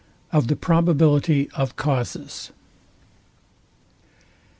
OF THE PROBABILITY OF CAUSES.